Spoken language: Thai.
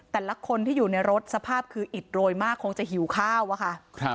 แต่ละคนที่อยู่ในรถสภาพคืออิดโรยมากคงจะหิวข้าวอะค่ะ